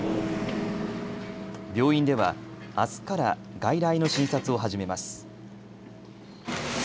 病院ではあすから外来の診察を始めます。